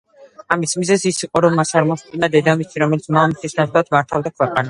ამის მიზეზი ის იყო, რომ მას არ მოსწონდა დედამისი, რომელიც მამამისის ნაცვლად მართავდა ქვეყანას.